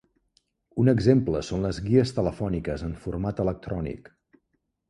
Un exemple són les guies telefòniques en format electrònic.